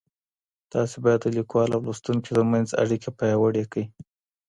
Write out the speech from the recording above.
تاسو بايد د ليکوال او لوستونکي تر منځ اړيکه پياوړې کړئ.